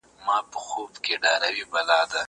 زه اوږده وخت سندري اورم وم!!